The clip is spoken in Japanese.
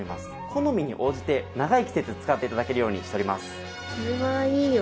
好みに応じて長い季節使って頂けるようにしております。